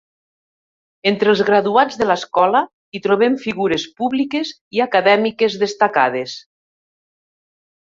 Entre els graduats de l'escola hi trobem figures públiques i acadèmiques destacades.